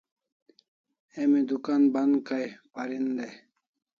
Emi dukan ban Kai parin dai